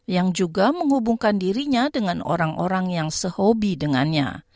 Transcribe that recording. yang juga menghubungkan dirinya dengan orang orang yang sehobi dengannya